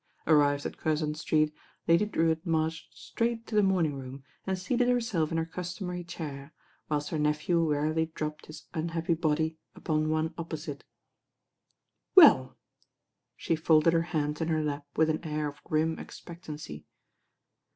Arrived at Cur zon Street, Lady Drewitt marched straight to the morning room and seated herself in her customary chair, whilst her nephew wearily dropped his un happy body upon one opposite. "WeUI" She folded her hands in her lap with an air of grim expectancy.